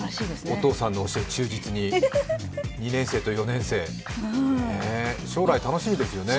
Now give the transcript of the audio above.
お父さんの教えを忠実に、２年生と４年生、将来楽しみですよね